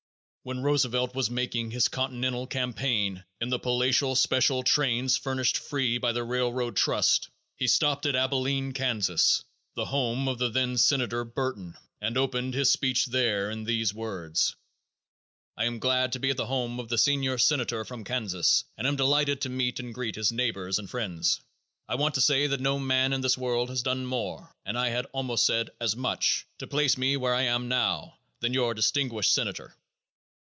When Roosevelt was making his continental campaign in the palatial special trains furnished free by the railroad trust he stopped at Abilene, Kan., the home of the then Senator Burton, and opened his speech there in these words: "I am glad to be at the home of the senior senator from Kansas and am delighted to meet and greet his neighbors and friends. I want to say that no man in this world has done more, and I had almost said, as much, to place me where I am now, than your distinguished senator."